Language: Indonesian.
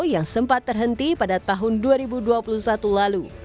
yang sempat terhenti pada tahun dua ribu dua puluh satu lalu